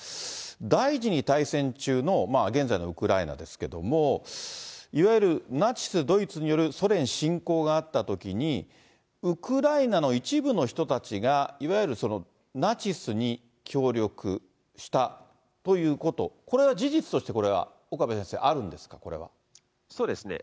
第２次大戦中の現在のウクライナですけれども、いわゆるナチス・ドイツによるソ連侵攻があったときに、ウクライナの一部の人たちがいわゆるナチスに協力したということ、これは事実としてこれは岡部先生、あるんですか、そうですね。